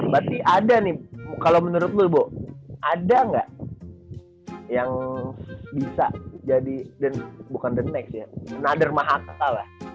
berarti ada nih kalo menurut lu buk ada gak yang bisa jadi dan bukan the next ya another mahakas lah